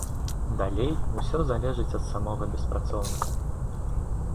Далей ўсё залежыць ад самога беспрацоўнага.